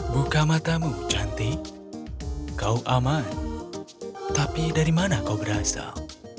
buka matamu cantik kau aman tapi dari mana kau berasal